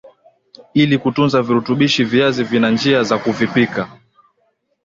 Ili kutunza virutubishi viazi vina njia za kuvipika